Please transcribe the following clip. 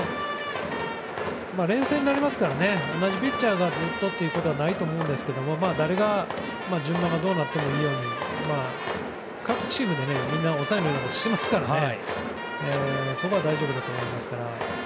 連戦になりますから同じピッチャーがずっとということはないと思うんですけど誰が順番がどうなってもいいように各チームでみんな抑えをやっていたりしますから大丈夫だと思います。